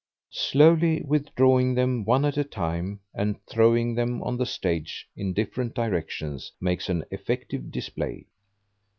Slowly withdrawing them one at a time, and throwing them on the stage in different directions, makes an effective display.